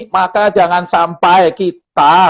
maka jangan sampai kita